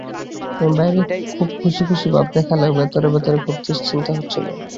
আমি বাইরে খুব খুশী খুশী ভাব দেখালেও ভেতরে ভেতরে খুব দুশ্চিন্তা হচ্ছিল।